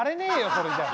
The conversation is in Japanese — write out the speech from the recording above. それじゃ。